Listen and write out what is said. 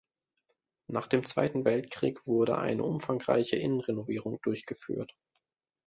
Nach dem Zweiten Weltkrieg wurde eine umfangreiche Innenrenovierung durchgeführt.